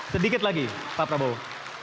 sedikit lagi pak prabowo